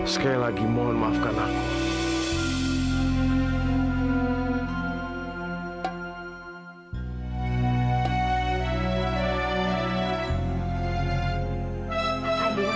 sekali lagi mohon maafkan aku